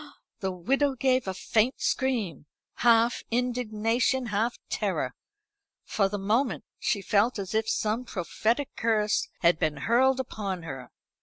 The widow gave a faint scream, half indignation, half terror. For the moment she felt as if some prophetic curse had been hurled upon her.